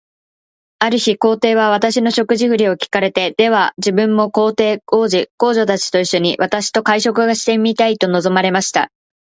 ある日、皇帝は私の食事振りを聞かれて、では自分も皇后、皇子、皇女たちと一しょに、私と会食がしてみたいと望まれました。